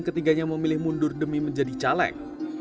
ketiganya memilih mundur demi menjadi caleg